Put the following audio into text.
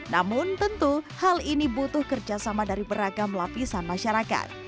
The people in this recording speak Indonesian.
namun tentu hal ini butuh kerjasama dari beragam lapisan masyarakat